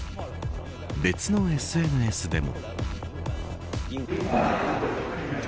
別のＳＮＳでも。